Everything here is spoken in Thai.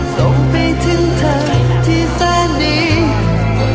ส่งไปถึงเธอที่แสนดี